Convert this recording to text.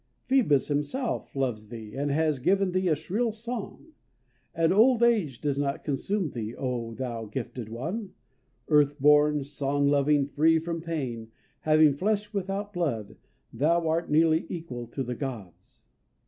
Phoebus himself loves thee, and has given thee a shrill song. And old age does not consume thee. O thou gifted one, earth born, song loving, free from pain, having flesh without blood, thou art nearly equal to the Gods!